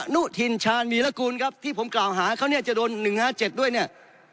นุทินชาญวีรกูลครับที่ผมกล่าวหาเขาเนี่ยจะโดน๑๕๗ด้วยเนี่ย